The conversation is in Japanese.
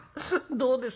どうです？